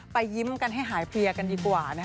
ยิ้มกันให้หายเพลียกันดีกว่า